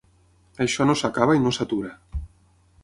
Això no s’acaba i no s’atura.